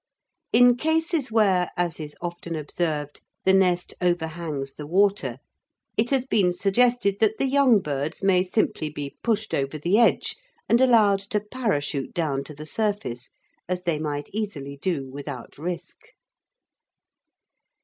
In cases where, as is often observed, the nest overhangs the water, it has been suggested that the young birds may simply be pushed over the edge and allowed to parachute down to the surface, as they might easily do without risk.